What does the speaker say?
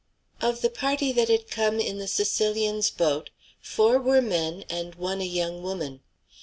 Of the party that had come in the Sicilian's boat four were men and one a young woman.